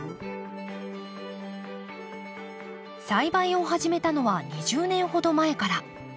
栽培を始めたのは２０年ほど前から。